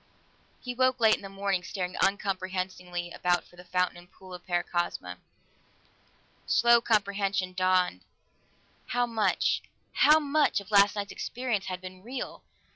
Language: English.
He woke late in the morning, staring uncomprehendingly about for the fountain and pool of Paracosma. Slow comprehension dawned; how much how much of last night's experience had been real?